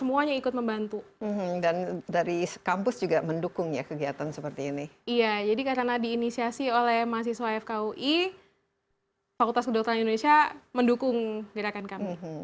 semuanya ikut membantu dan dari kampus juga mendukung ya kegiatan seperti ini iya jadi karena diinisiasi oleh mahasiswa fkui fakultas kedokteran indonesia mendukung gerakan kami